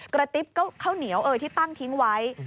กระติ๊บข้าวเหนียวเอ่ยที่ตั้งทิ้งไว้